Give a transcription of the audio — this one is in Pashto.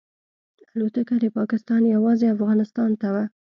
الوتکه د پاکستان یوازې افغانستان ته وه.